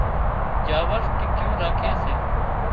جاور ٽِڪيُون راکي سي